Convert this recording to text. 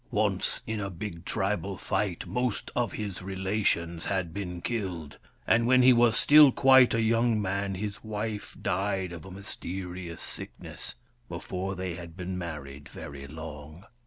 Once, in a big tribal fight, most of his relations had been killed ; and when he was still quite a young man, his wife died of a mysterious sickness, before they had been married very long.